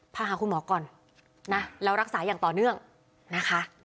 พาหาคุณหมอก่อนนะแล้วรักษาอย่างต่อเนื่องนะคะ